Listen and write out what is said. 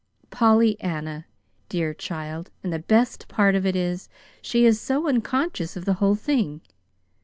"Pollyanna! Dear child and the best part of it is, she is so unconscious of the whole thing.